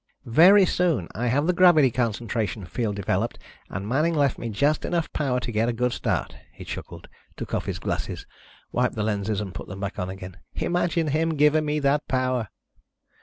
"Very soon. I have the gravity concentration field developed and Manning left me just enough power to get a good start." He chuckled, took off his glasses, wiped the lenses and put them back on again. "Imagine him giving me that power!"